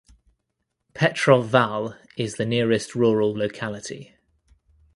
Petrov Val is the nearest rural locality.